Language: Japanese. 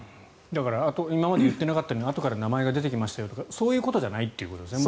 今まで言っていなかったのにあとから名前が出てきたとかそういうことじゃないと。